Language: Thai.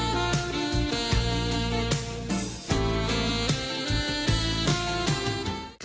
แหม